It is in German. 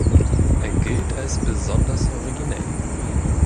Er gilt als besonders originell.